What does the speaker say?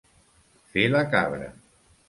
Fer la cabra.